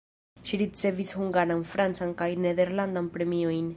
Ŝi ricevis hungaran, francan kaj nederlandan premiojn.